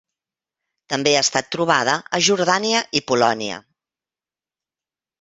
També ha estat trobada a Jordània i Polònia.